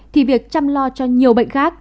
thì việc chăm lo cho nhiều bệnh khác